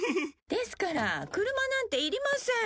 ですから車なんていりません！